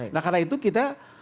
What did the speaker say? nah karena itu kita